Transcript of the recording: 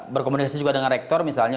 berkomunikasi juga dengan rektor misalnya